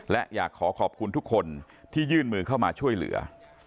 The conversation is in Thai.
และอยากขอขอบคุณทุกคนที่ยื่นมือเข้ามาช่วยเหลือ